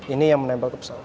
ini yang menembak ke pesawat